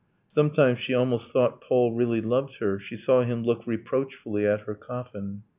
Sometimes she almost thought Paul really loved her ... She saw him look reproachfully at her coffin.